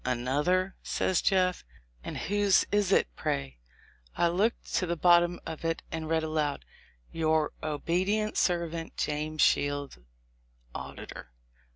"Another?" says Jeff; "and whose egg is it, pray?" I looked to the bottom of it, and read aloud, "Your obedient servant, James Shields, Auditor."